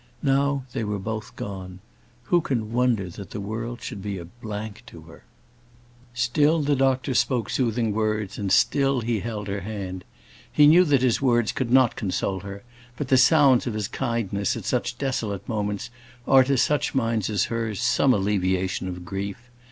Now they were both gone. Who can wonder that the world should be a blank to her? Still the doctor spoke soothing words, and still he held her hand. He knew that his words could not console her; but the sounds of his kindness at such desolate moments are, to such minds as hers, some alleviation of grief.